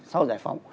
sau giải phóng